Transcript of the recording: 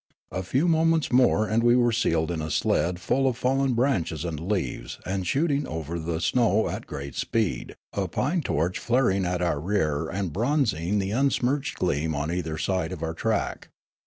A few moments more and we were seated in a sled full of fallen branches and leaves and shooting over the syow at great speed, a pine torch flaring at our rear and bronzing the unsmirched gleam on either side of our track.